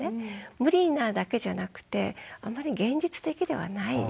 無理なだけじゃなくてあんまり現実的ではない。